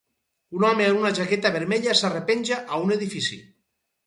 Un home amb una jaqueta vermella s'arrepenja a un edifici